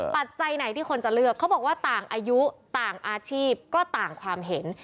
ปัจจัยไหนที่คนจะเลือกเขาบอกว่าต่างอายุต่างอาชีพก็ต่างความเห็น